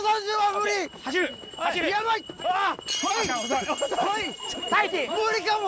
無理かも！